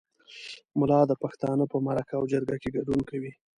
ملا د پښتانه په مرکه او جرګه کې ګډون کوي.